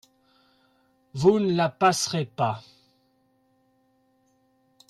»Vous ne la passerez pas.